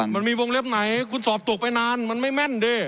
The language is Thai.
มันมีวงเล็บไหนคุณสอบตกไปนานมันไม่แม่นดิ